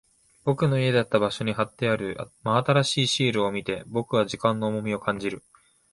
僕の家だった場所に貼ってある真新しいシールを見て、僕は時間の重みを感じる。